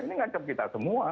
ini mengancam kita semua